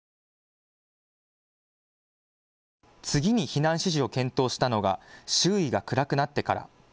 次に避難指示を検討したのが周囲が暗くなってから。